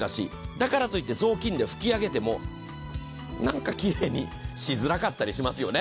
だからといって雑巾でふきあげても、きれいにしづらかったりしますよね。